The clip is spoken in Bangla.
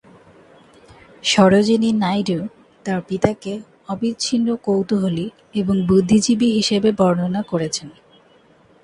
সরোজিনী নাইডু তাঁর পিতাকে অবিচ্ছিন্ন কৌতূহলী এবং বুদ্ধিজীবী হিসাবে বর্ণনা করেছেন।